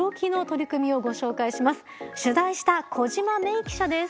取材した小島萌衣記者です。